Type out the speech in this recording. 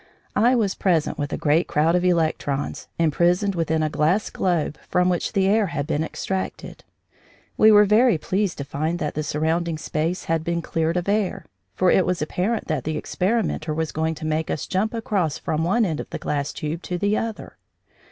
I was present, with a great crowd of electrons, imprisoned within a glass globe from which the air had been extracted. We were very pleased to find that the surrounding space had been cleared of air, for it was apparent that the experimenter was going to make us jump across from one end of the glass tube to the other.